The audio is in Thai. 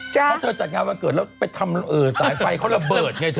ถ้าเธอจัดงานวันเกิดแล้วไปทำอะไรเออสายไฟเค้าระเบิดไงเธอ